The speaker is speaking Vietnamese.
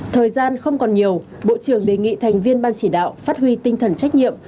thời gian không còn nhiều bộ trưởng đề nghị thành viên ban chỉ đạo phát huy tinh thần trách nhiệm